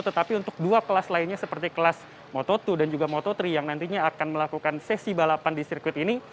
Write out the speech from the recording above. tetapi untuk dua kelas lainnya seperti kelas moto dua dan juga moto tiga yang nantinya akan melakukan sesi balapan di sirkuit ini